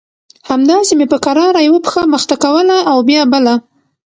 همداسې مې په کراره يوه پښه مخته کوله او بيا بله.